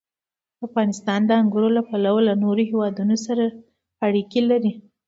افغانستان د انګورو له پلوه له نورو هېوادونو سره اړیکې لري.